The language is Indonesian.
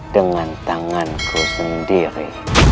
dengan tanganku sendiri